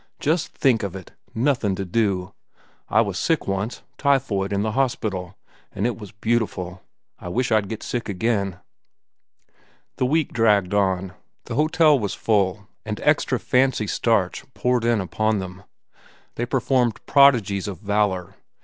Just think of it, nothin' to do. I was sick once, typhoid, in the hospital, an' it was beautiful. I wish I'd get sick again." The week dragged on. The hotel was full, and extra "fancy starch" poured in upon them. They performed prodigies of valor.